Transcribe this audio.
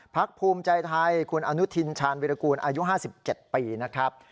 ภูมิใจไทยคุณอนุทินชาญวิรากูลอายุ๕๗ปีนะครับ